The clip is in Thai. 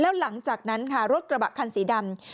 แล้วหลังจากนั้นค่ะรถกระบะคันสีดำ